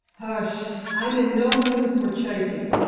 "Hush; I'm in no mood for chaffing.